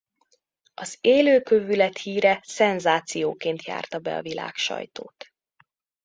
Az élő kövület híre szenzációként járta be a világsajtót.